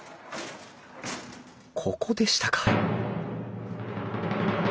ここでしたか！